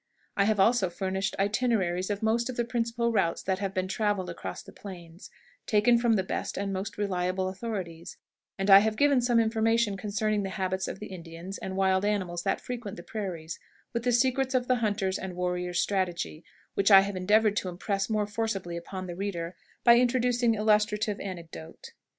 I have also furnished itineraries of most of the principal routes that have been traveled across the plains, taken from the best and most reliable authorities; and I have given some information concerning the habits of the Indians and wild animals that frequent the prairies, with the secrets of the hunter's and warrior's strategy, which I have endeavored to impress more forcibly upon the reader by introducing illustrative anecdote.